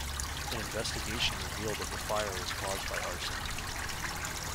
An investigation revealed that the fire was caused by arson.